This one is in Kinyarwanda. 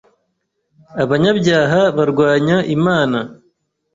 abanyabyaha barwanya Imana.